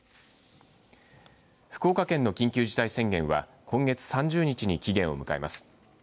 福岡県の緊急事態宣言は今月３０日に期限を迎えます。